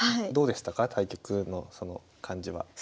どうでしたか対局のその感じは。